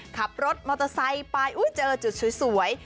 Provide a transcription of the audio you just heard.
ขับรถมอเตอร์ไซค์ไปเจอจุดสวย